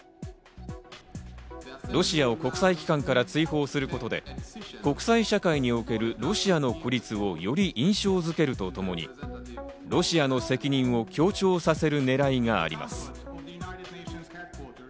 ロシアを国際機関から追放することで国際社会におけるロシアの孤立をより印象づけるとともに、ロシアの責任を強調させる狙いがあります。